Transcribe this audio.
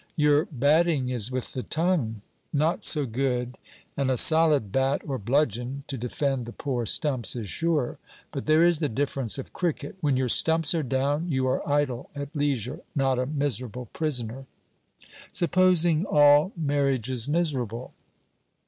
'Your batting is with the tongue.' 'Not so good. And a solid bat, or bludgeon, to defend the poor stumps, is surer. But there is the difference of cricket: when your stumps are down, you are idle, at leisure; not a miserable prisoner.' 'Supposing all marriages miserable.'